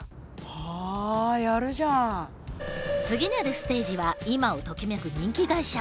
次なるステージは今をときめく人気会社。